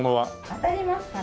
当たりますかね。